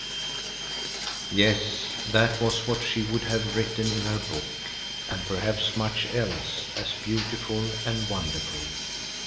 Yes, that was what she would have written in her book, and perhaps much else as beautiful and wonderful.